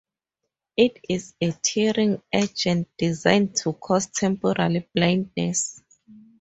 It is a tearing agent designed to cause temporary blindness.